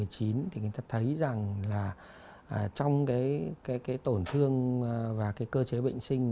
thì người ta thấy rằng là trong cái tổn thương và cái cơ chế bệnh sinh